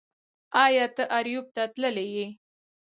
ایا ته اریوب ته تللی یې